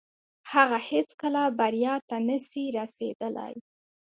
هغه هيڅکه بريا ته نسي رسيدلاي.